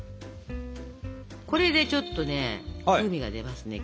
これでちょっとね風味が出ますね